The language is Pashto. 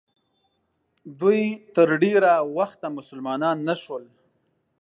دوی تر ډېره وخته مسلمانان نه شول.